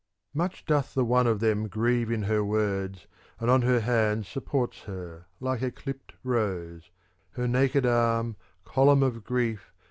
Much doth the one of them grieve in her words, and on her hand supports her, like a clipped rose : her naked arm, column of grief.